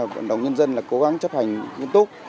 vận động nhân dân cố gắng chấp hành nguyên túc